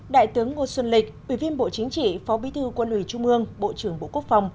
đại tướng ngô xuân lịch ủy viên bộ chính trị phó bí thư quân ủy trung ương bộ trưởng bộ quốc phòng